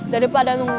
daripada nungguan nentu